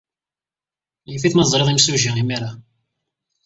Yif-it ma teẓrid imsujji imir-a.